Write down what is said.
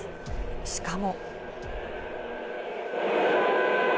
しかも。